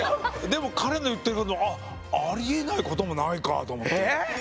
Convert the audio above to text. でも彼の言ってることもあっありえないこともないかと思って。